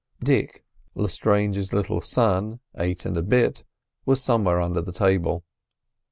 Dick, Lestrange's little son, eight and a bit, was somewhere under the table.